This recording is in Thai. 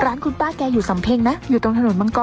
ร้านคุณป้าแกอยู่สำเพ็งนะอยู่ตรงถนนมังกร